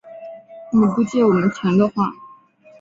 你不借我们钱的话